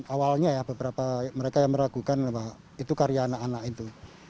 awalnya ya beberapa mereka yang meragukan bahwa itu karya anak anak itu